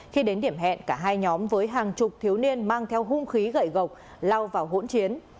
khi đến điểm hẹn cả hai nhóm với hàng chục thiếu niên mang theo hung khí gậy gộc lao vào hỗn chiến